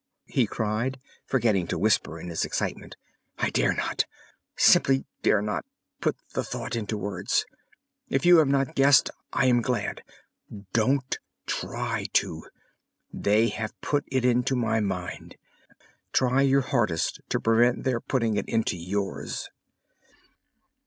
he cried, forgetting to whisper in his excitement. "I dare not, simply dare not, put the thought into words. If you have not guessed I am glad. Don't try to. They have put it into my mind; try your hardest to prevent their putting it into yours."